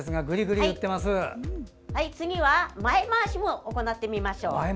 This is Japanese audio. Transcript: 次は前回しも行ってみましょう。